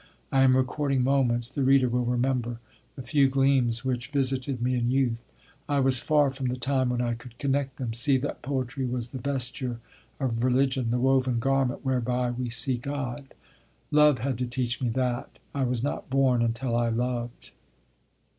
I am recording moments, the reader will remember, the few gleams which visited me in youth. I was far from the time when I could connect them, see that poetry was the vesture of religion, the woven garment whereby we see God. Love had to teach me that. I was not born until I loved.